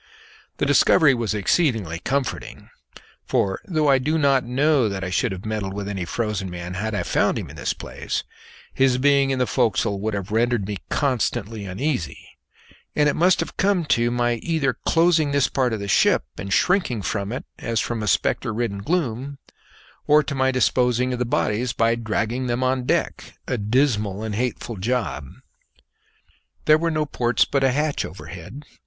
This discovery was exceedingly comforting, for, though I do not know that I should have meddled with any frozen man had I found him in this place, his being in the forecastle would have rendered me constantly uneasy, and it must have come to my either closing this part of the ship and shrinking from it as from a spectre ridden gloom, or to my disposing of the bodies by dragging them on deck a dismal and hateful job. There were no ports, but a hatch overhead.